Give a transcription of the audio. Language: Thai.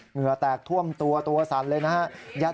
เหงื่อแตกท่วมตัวตัวสั่นเลยนะครับ